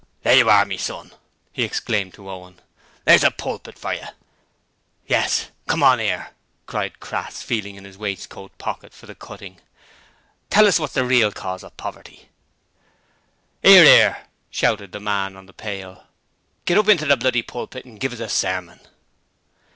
'There you are, me son!' he exclaimed to Owen. 'There's a pulpit for yer.' 'Yes! come on 'ere!' cried Crass, feeling in his waistcoat pocket for the cutting. 'Tell us wot's the real cause of poverty.' ''Ear, 'ear,' shouted the man on the pail. 'Git up into the bloody pulpit and give us a sermon.'